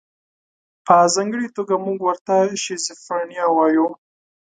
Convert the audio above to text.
په ځانګړې توګه موږ ورته شیزوفرنیا وایو.